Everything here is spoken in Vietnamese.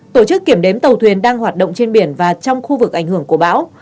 tổ chức kiểm đếm tàu thuyền đang hoạt động trên biển và trong khu vực ảnh hưởng của bão